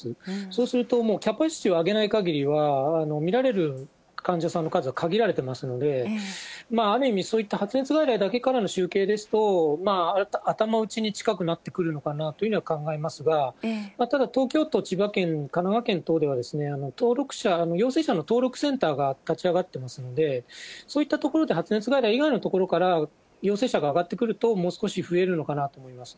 そうすると、キャパシティーを上げないかぎりは、診られる患者さんの数は限られてますので、ある意味、そういった発熱外来だけからの集計ですと、頭打ちに近くなってくるのかなというふうには考えますが、ただ、東京都、千葉県、神奈川県等では陽性者の登録センターが立ち上がってますので、そういったところで発熱外来以外のところから陽性者が上がってくると、もう少し増えるのかなと思います。